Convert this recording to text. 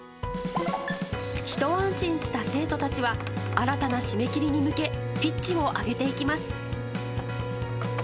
一安心した生徒たちは、新たな締め切りに向け、ピッチを上げていきます。